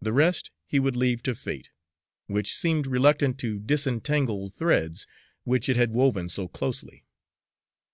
The rest he would leave to Fate, which seemed reluctant to disentangle threads which it had woven so closely.